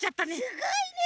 すごいね。